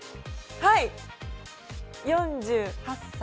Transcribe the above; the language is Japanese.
はい、４８歳。